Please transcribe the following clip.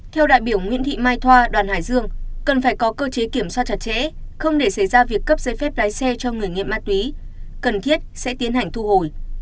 theo đại biểu nguyễn thị mai thoa đoàn hải dương cần phải có cơ chế kiểm soát chặt chẽ không để xảy ra việc cấp giấy phép lái xe cho người nghiện ma túy cần thiết sẽ tiến hành thu hồi